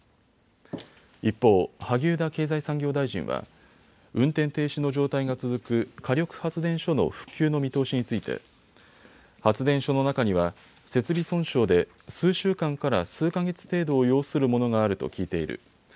一方、萩生田経済産業大臣は運転停止の状態が続く火力発電所の復旧の見通しについて発電所の中には設備損傷で数週間から数か月程度を要するものがあると聞いている。